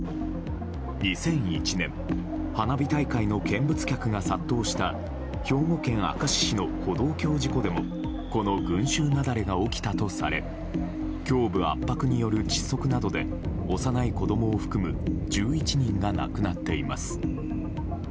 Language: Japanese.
２００１年花火大会の見物客が殺到した兵庫県明石市の歩道橋事故でもこの群衆雪崩が起きたとされ胸部圧迫による窒息などで幼い子供を含む１１人が亡くなっています。